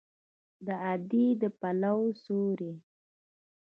د ادې د پلو سیوری